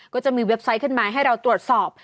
ก็จะมีเว็บไซต์ขึ้นมาให้เราตรวจสอบ